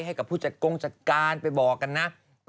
ให้กับผู้จัดกงจัดการไปบอกกันนะ